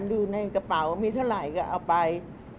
ดูในกระเป๋ามีเท่าไหร่ก็เอาไป